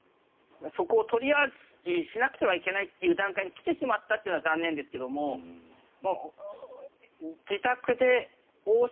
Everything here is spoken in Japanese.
そこをトリアージしなくてはいけないという段階に来てしまったというのは残念ですけども自宅で往診